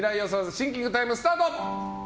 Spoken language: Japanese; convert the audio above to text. シンキングタイムスタート！